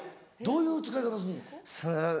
どういう使い方すんの？